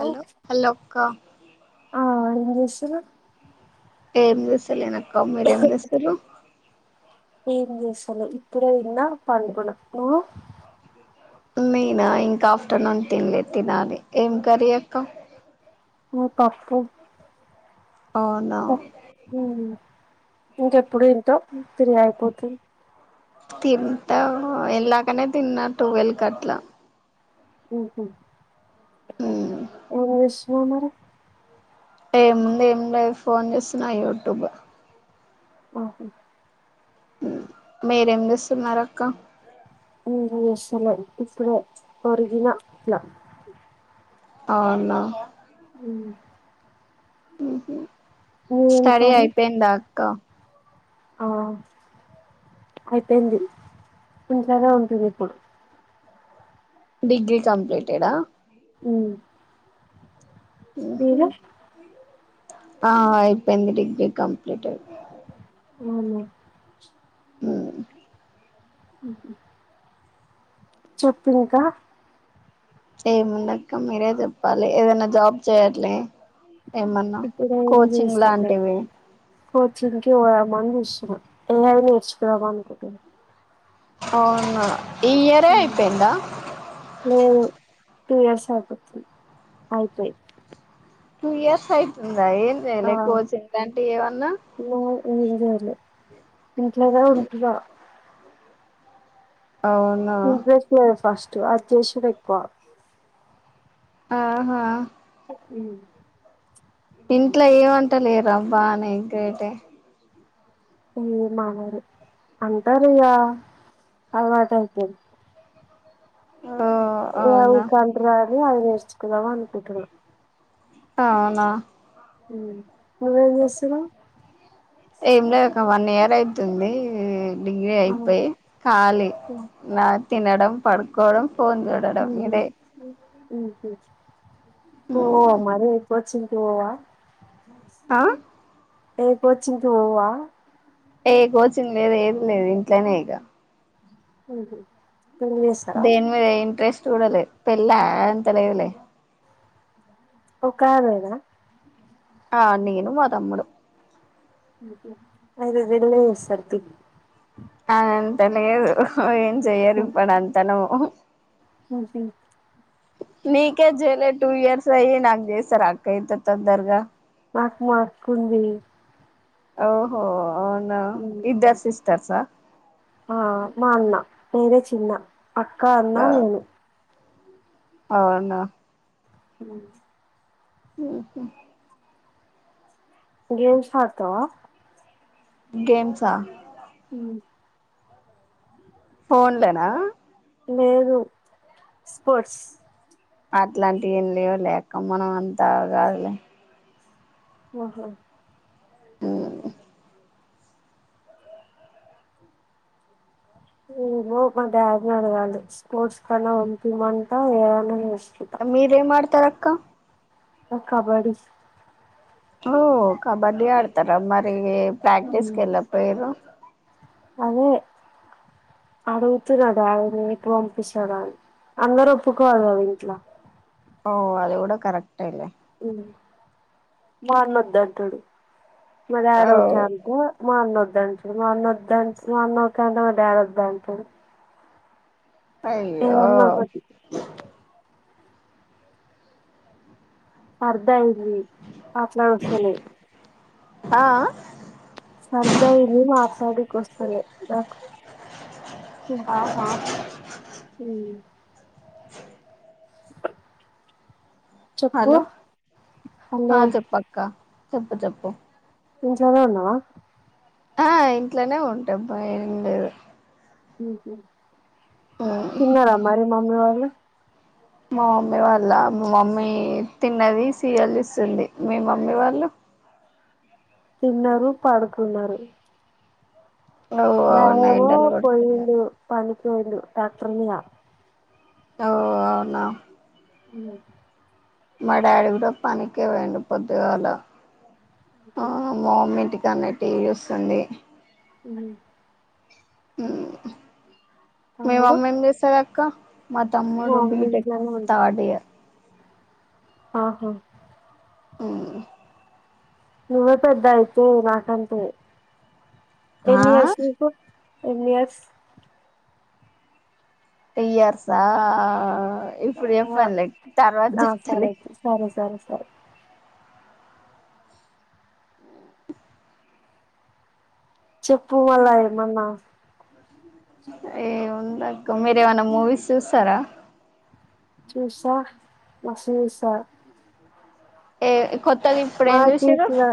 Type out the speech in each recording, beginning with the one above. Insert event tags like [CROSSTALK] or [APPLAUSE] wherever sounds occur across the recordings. Hello hello అక్క ఎం చేస్తున్నావ్ ఎం చేస్తలేం కమ ర ఎం సరు ఏం చేసలో ఇప్పుడే తిన్నా పండుకున్న నువ్వు నేనా ఇంకా ఆఫ్టర్నూన్ తినలేదు తినాలి ఏం కర్రి అక్క ఆ పప్పు అవునా ఉమ్ ఇంకెప్పుడు ఏంటో త్రి అయిపోతుంది తింటా ఎళ్లాకనే తిన్నా టువెల్ అట్లా ఉ ఉమ్ ఊ ఒమర ఏముంది ఏంలేదు ఫోన్ చేస్తున్నా యూట్యూబ్ ఓహో మీరేం చేస్తున్నారు అక్క యషల ఇప్పుడే ఒరిగినలా అవునా హమ్ మ్మ్ స్టడీ కర్రీ అయిపోయింద క ఆ అయిపోయింది ఇంట్లోనే ఉంటుంది ఇప్పుడు డిగ్ర్రిీ కంప్లీటెడా మ్మ్ మ్మ్ హ్మ్ ఆ అయిపోయింది డిగ్రీ కంప్లీటేడ్ అవునా ఉమ్ మ్మ్ చెప్పినాకా ఏముండక్క మీరే చెప్పాలి ఏదైనా జాబ్ చేయట్లే ఏమన్నా ఇప్పుడ ఏం కోచింగ్ చేస్తలే లాంటివి కోచింగ్కి పోదామా అని యై ఐ నేర్చుకుందాం అనుకుంటున్న అవునా ఈ ఇయర్ ఐ ఉమ్ అయిపోయిందా లేదు టూ ఇయర్స్ అయిపోతుంది అయిపోయి టూ ఇయర్స్ ఆయిపో ఆ ఇ ఏం చేయాలే ఇంట్లోనే ఉంటునా అవునా ఇంట్రెస్ట్ లేదు ఫస్ట్ ఆది చేసేదే ఎక్కువ ఆహా మ్మ్ ఇంట్లో ఏమంట లేరుబ్బా ఇంక ఐతే ఉమ్ మాములే అంటారిగా అలవాటు అయిపొయింది. ఓ ఎవ అవునా కంత్ర అది నేర్చుకుందాం అనుకుంటున అవునా మ్మ్ నువ్వేం జేస్తునావ్ ఎమ్ లేదు ఇ వన్ ఇయర్ అయితుంది మ్మ్ డిగ్రీ అయిపోయి ఖాళీ నా తినడం పడకోవడం ఫోన్ జూడడం ఇదే మ్మ్ హ్మ్ ఓ అ మరి ఎకువచ్చ పోవ ఆ ఏ కోచింగ్ కి పోవా ఏ కోచింగ్ లేదు ఎమ్ లేదు ఇంట్లోనే ఇక మ్మ్ హ్మ్ దీని మీద ఇంట్రెస్ట్ చూడలే పెళ్ళ ఆ అంత లేదులే ఒక దానివే గద ఆ నేను మా తమ్ముడు అయితే లేట్ గానే చేస్తారు తీయ్యి ఆ అంత లేదు చేయరు ఇపుడు అంతలో ఆహా [UNINTELLIGIBLE] నీకే జేలే టూ ఇయర్స్ అయి నాక్ జేస్తర అక్క ఇంత తొందర్గా నాకు మా అక్క ఉంది. ఓహో అవునా ఇద్దరు సిస్టర్స్ హ ఆ మా అన్న నేనే చిన్న అక్క అన్న నేను అవునా అ హ గేమ్స్ ఆడుతావా గేమ్స్ హ హ ఫోన్లనా లేదు స్పోర్ట్స్ అట్లాంటి ఏం లేవు లే అక్క మనం అంతా కాదు లే ఆఓహా అవు ఏమో మా డాడీ అడగాలి స్పోర్ట్స్ కన్నా ఉంటమంటా ఏ మీరేంమాతారు అక్ అక్క కబడ్డి ఓ కబడ్డీ ఆడతార మరి ప్రక్టీీస్క ఎల్లకపోఇల్లు అదే అడుగుతున్నా డాడీని పంపిింస్థాడా అని అందరూ ఒప్పుకోవాలి కదా ఇంట్లో ఓ అది కూడా కరెక్ట్ ఏ లే మాన్న వద్దు అంటాడు మ డాడీ ఓ ఓకే అంటే మా అన్న వా వద్దు అంటాడు మా అన్న ఓకే అంటే మా డాడీ వద్దు అంటాడు అయ్యో ఒకటి అర్ధా ఇట్ పాట్లా వస్తులే ఆ సర్దైంది మాట్లడెకొస్తలే నాకు ఊ ఆ అ చెప్పు హలో హలో ఆ చెప్పక్క చెప్పు చెప్పు నుంచోనే ఉన్నావా. ఆ ఇంట్లోనే ఉంటబ్బా ఏం లేదు ఊహు ఉమ్ తిన్నార మరి మమ్మీ వాళ్ళ్ ఉ ఆ మా మమ్మీ వాళ్ళ మా మమ్మీ తిన్నది. సీరియల్ చూస్తుంది. మీ మమ్మీ వాళ్ళు తిన్నరు పడుకున్నారు. ఓ అవునా బావేమో ఎండలు కొడుతున్నాయి పోయిండు పనుకుండు ట్రాక్టర్ మీద ఔ అవునా ఇందాక మా డాడీ కూడా పనికి పోయిండు పొద్దుగాల. మా మమ్మీ ఇంటికి తల నొప్పి వస్తుంది. మిమ్మల్ని ఊ మీ తమ్ముడు మమ్మెం చేస్తాది అక్క. మా మా తమ్ముడు మమ్మీ బిటెక్ ఇంట్లోనే థర్డ్ ఇయర్. ఆహ ఊ నువ్వే పెద్ద అయితే నాకంటే. ఆ ఎన్ని అస్లుకు ఎన్ని అస్ త్రీ ఇయర్స్ ఆ ఇప్పుడు ఆ చెప్పన్లే తర్వాత ఆ చెప్తాలే. సరే సరే సరే సరే చెప్పు మలా ఏమన్నా. ఏం ఉందక్క మీరేమన్నా మూవీస్ చూస్తారా. చూస్తా మస్త్ చూస్తా. ఏ కొత్తగా ఇప్పుడు మా ఏం చూసిర్రు కిప్పుడా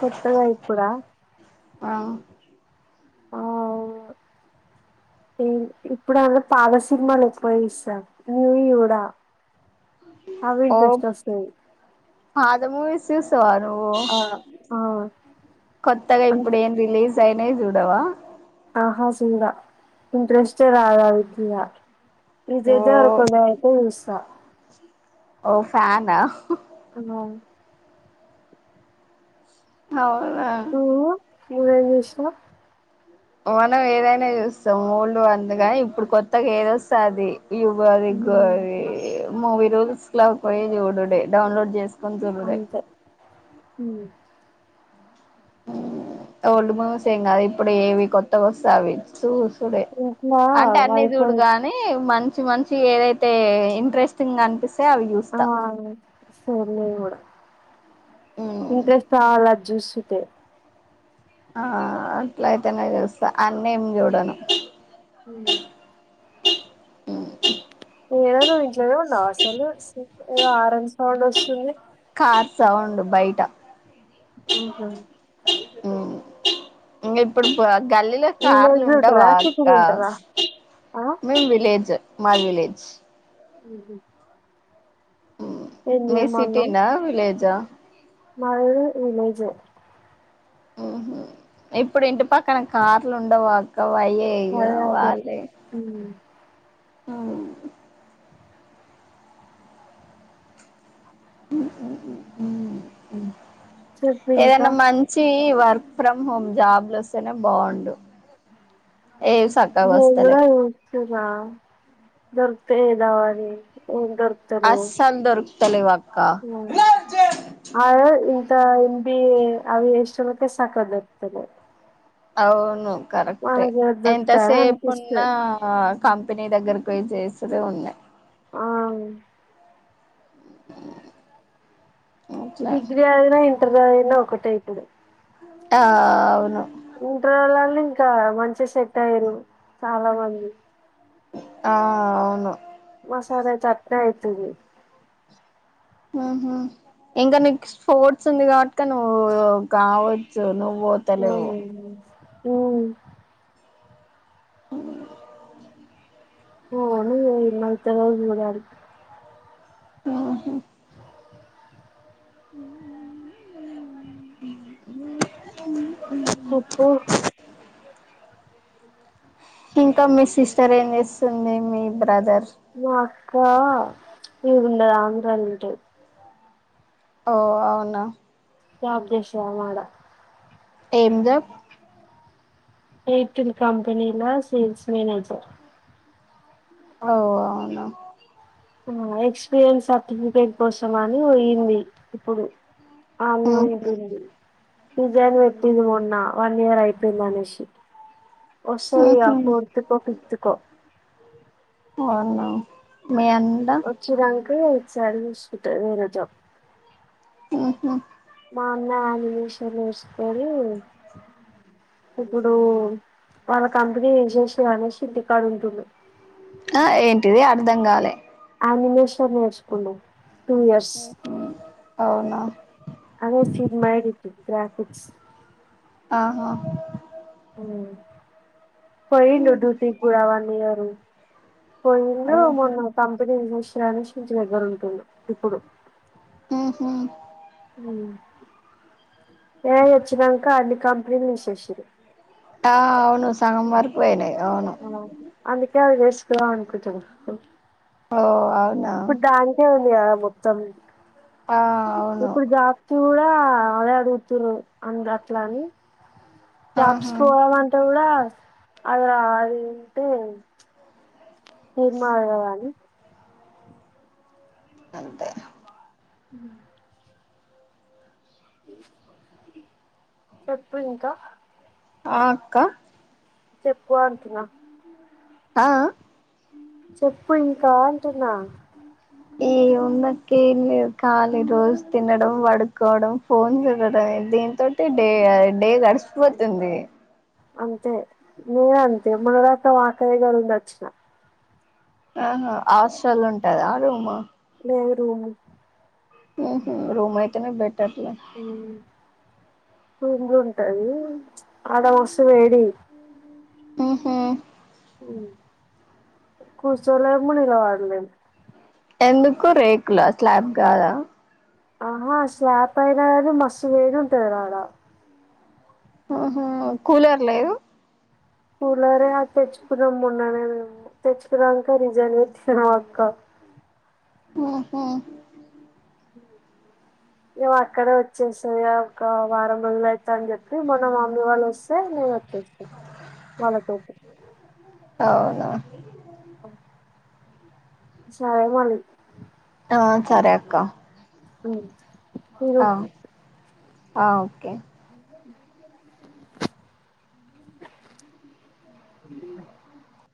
కొత్తగా ఇప్పుడా. ఆ ఆ ఇ ఇప్పుడు అల్ల పాత సినిమాలు ఉపయోగిస్తా న్యూవి చూడా. ఓ పాత మూవీస్. చూస్తావా ఆ ఆ కొత్తగా ఇప్పుడు అంతే ఏం రిలీజ్ అయినయి జూడవా ఇంగ ఇంట్రెస్టే రాలా ఇగ ఓ విజయ్ దేవరకొండవయితే జూస్తా ఓ ఫ్యాన అవును అవు ఓ నువ్వేం జెస్తున్నావ్ మనం ఏదైనా జూస్తాం ఓల్డ్ అందుగాని ఇప్పుడు కొత్తగా ఏదొస్తుా అది యు బార గరి మూవీ రూల్స్లోకి పోయి జూడుడే డౌన్లోడ్ చేసు కొంతుడుర్ ఉ ఓల్డు మువీసేంగాదు ఇప్పుడు ఏవి కొత్త వస్తావి చ చూడే ఇంట్లా అంటే అన్ని చూడు వైఫై గాని మంచి మంచి మంచి ఏదైతే ఇంట్రెస్టింగ్ అనిపిస్తుంది ఆ సర్లే ఇబడు ఉమ్ ఇంట్రెస్ట్ రాల జూసుతే ఆ అట్లాయితేనేసా అన్నేం ఏం చూడను ఉమ్. ఉ నేన నువ్వు ఇంట్లోనే ఉన్నావు అసలు ఏదో ఆరం సౌండ్ వస్తుంది ఆ సౌండ్ బయట ఊహు ఉ ఇంగ ఇప్పుడు పో గల్లీలో కార్లు విలేజ్ ఉంటారా సిటీలో ఉండవాక్క ఉంటారా ఆ మేం విలేజ్ మాది విలేజ్ ఉహ మీ సిటీనా విలేజ మాది గూడా విలేేజే ఓహో ఇప్పుడు ఇంటి పక్కన కార్లు ఉండవా అయే ఇగ అదే అదే వాళ్లే ఉమ్. ఆ చెప్పు ఇంకా ఏదైనా మంచి వ ఫ్రమ్ హోమ్ జాబ్ లోస్తేనే బాగుండు. ఏవి సక్కగా నేను గూడా వస్తలేవు చూస్తున్న దొరికితే చేద్దామని అస్సల్ దొర్ తలెవ్ అ మ్మ్ అదే క ఎం బీ ఏ అవి చేసినోళ్లకే సక్కగ దొర్కుతలేవు. అవును కరెక్టే దొరుకుతాయా ఎంతసేపు ఉన్నా అనిపిస్తది కం పినీ దగ్గరకు పొయి చేస్తనే ఉండే ఆ అట్లా డిగ్రీ చదివిన ఇం టర్ చదివిన ఒక్కటే ఇప్పుడు. ఆ అవును ఇంటరోలన్న ఇంకా మంచిగా సెట్ అయిర్రు చాలా మంది. ఆ అవును మసాలా చత్తగైతుంది హ్మ్ హు ఇంకా నీకు స్పోర్ట్స్ ఉంది కాబట్టిక నువ్వూ కావచ్చు నువ్ మ్మ్ మ్మ్ మ్మ్ మ్ అవును ఎన్నైతాయో చూడాలి. హ్మ్ హు చెప్పు ఇంకా మీ సిస్టర్ ఏం చేస్తుంది మీ బ్రదర్ వా క్కా ఈడుండదు ఆంధ్రాలుంటది ఓ అవునా జాబ్ చేస్తదామే ఆడ ఏం జాబ్? ఎయిర్టెల్ కంపెనీలో సేల్స్ మేనేజర్. ఓ అవునా మ్మ్ ఎక్స్పీరియన్స్ సర్టిఫికెట్ కోసం అని పోయింది. ఇప్పుడు అనే ఉహు ఉంటుంది, రిజైన్ పెట్టింది మొన్న వన్ ఇయర్ అయిపోయింది అనేషి వస్తది ఇగ ఫోర్త్కో, ఫిఫ్త్కో అవునా మీ అన్న వచ్చిరంకో సైడ్ చూసుకుటది వేరే జాబ్ హ్మ్ హు మా అన్నా అది సర స్ అదు ఇప్పుడు వాళ్ళ కంపెనీ తీసెస్ అనసి ఇంటికాడ ఉంటుండ్రు టిది అర్థం కాలే ఆనిమేషన్ నేర్చుకుండే అవునా అదే సీడ్ మై డిటు గ్రాఫిక్స్ ఆ హా ఉ పోయిండు డ్యూటీ కూడా వన్ ఇయరు పోయిండు ఓహో మొన్న కంపెనీ చూసి ప్రమష్ నుంచి దగ్గర ఉంటుండు ఇప్పుడు హు హు ఏ వచ్చదంకా అన్ని కా విన్నసేసిర్రు సగంవార్ ఆ అందుకే చేస్ సలాను కొంచం హ ఇప్పుడు డాన్సే ఉంది కదా మొ తమి ఆ అవును ఇప్పుడు జాప్తి కూడా చాలే అడుగుతురు అందు అట్ల అని కాబ్స్ ఆహా పోదాం అంటే కూడా అలా అది ఇంటే హిమా అడవాణి అంతే ఉ ఉ చెప్పు ఇంకా ఆ అక్క చెప్పు అంతేనా ఆ అ చెప్పు ఇంకా అంటున్నా ఈ ఉన్నకి ఖాళీ రోజు తినడం పడుకోవడం ఫోన్ చూడడం ఏంది తటి డే డే గడిసిపోతుంది అంతే నేనంతే మన రకం ఆకలిగలుండచ్చిన ఆహా ఆవసయాలు ఉంటది ఆ రూమా రూమ్ రూమ్ అయితేనే బ మ్మ్ రంగ ఉంటది ఆడ వస వేడి మ్మ్ హ్మ్ కూర్చోలేము నిలబడ లేము ఎందుకు రేకులా స్లాబ్ కాదా ఆహా శ్వాప్ అయినాారు మసవేడి ఉంటది ఆడా ఆహ కూలర్ లేదు కూలర్ తెచ్చుకున్నాాం మొన్ననే మే తెచ్చకున్నాక రిజైన్ తిన అక్క ఓహో ను అక్కడే వచ్చేస్తాయ ఒక వారం రజలు అవుతా అని చెప్పి మొన మమ్మీ వాళ్ళు వస్తే నేను వచ్చేను వాళ్ళతోటి అవునా ఓ సరే మళ్ళీ ఆ సరే అక్క మ్మ్ అ ఆ ఓకే అ